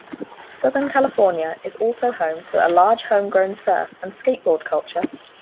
Southern California is also home to a large homegrown surf and skateboard culture.